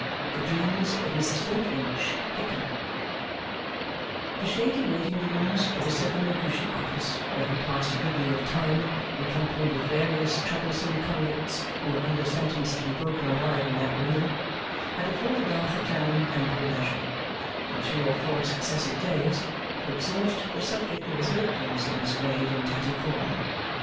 The Dreams of Mrs Flintwinch thicken The shady waiting rooms of the Circumlocution Office, where he passed a good deal of time in company with various troublesome Convicts who were under sentence to be broken alive on that wheel, had afforded Arthur Clennam ample leisure, in three or four successive days, to exhaust the subject of his late glimpse of Miss Wade and Tattycoram.